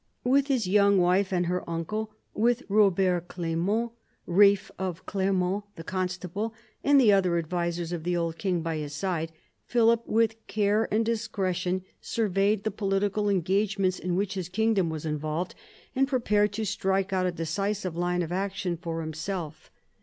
With his young wife and her uncle, with Kobert Clement, Ealph of Clermont, the constable, and the other advisers of the old king by his side, Philip, with care and discretion, surveyed the political engagements in which his kingdom was involved, and prepared to strike out a decisive line of action for himself.